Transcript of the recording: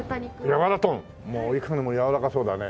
もういかにもやわらかそうだね。